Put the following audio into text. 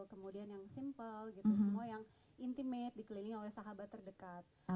kemudian yang simple gitu semua yang intimate dikelilingi oleh sahabat terdekat